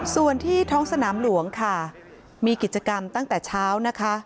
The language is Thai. ส่วนที่ท้องสนามหลวงค่ะมีกิจกรรมตั้งแต่เช้านะคะ